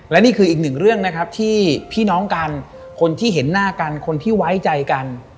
และนี่คืออีกหนึ่งเรื่องนะครับที่พี่น้องกันคนที่เห็นหน้ากันคนที่ไว้ใจกัน